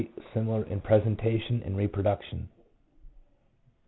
similar in presentation and reproduction.